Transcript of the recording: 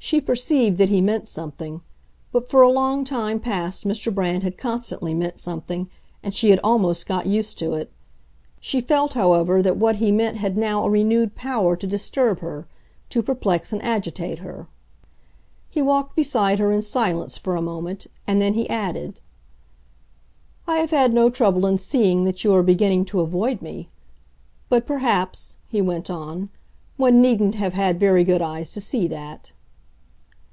She perceived that he meant something; but for a long time past Mr. Brand had constantly meant something, and she had almost got used to it. She felt, however, that what he meant had now a renewed power to disturb her, to perplex and agitate her. He walked beside her in silence for a moment, and then he added, "I have had no trouble in seeing that you are beginning to avoid me. But perhaps," he went on, "one needn't have had very good eyes to see that."